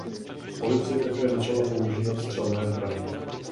Policie také začala používat střelné zbraně.